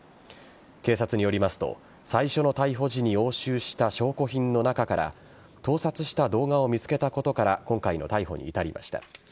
警察によりますと最初の逮捕時に押収した証拠品の中から盗撮した動画を見つけたことから今回の逮捕に至りました。